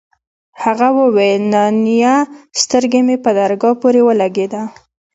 هغې وويل نانيه سترگه مې په درگاه پورې ولگېده.